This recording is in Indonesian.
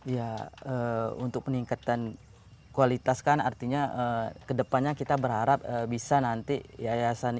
ya untuk peningkatan kualitas kan artinya ke depannya kita berharap bisa nanti yayasan ini diadakan